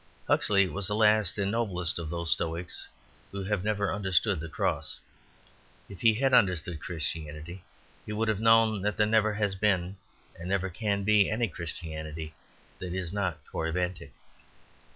Huxley was the last and noblest of those Stoics who have never understood the Cross. If he had understood Christianity he would have known that there never has been, and never can be, any Christianity that is not corybantic.